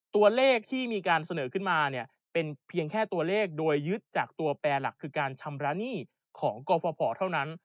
ตัวเลขที่มีการเสนอขึ้นมาเนี่ยเป็นเพียงแค่ตัวเลขโดยยึดจากตัวแปรหลักคือการชำระหนี้ของกรฟภเท่านั้น